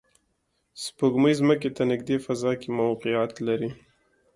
سپوږمۍ ځمکې ته نږدې فضا کې موقعیت لري